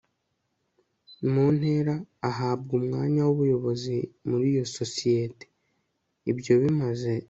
mu ntera ahabwa umwanya w'ubuyobozi muri iyo sosiyete. ibyo bimaze